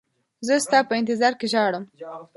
زه ستا په انتظار کې ژاړم.